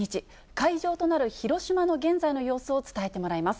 会場となる広島の現在の様子を伝えてもらいます。